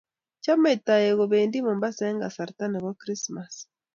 Chomei toik kobendii Mombasaa eng kasarta ne bo Krismas.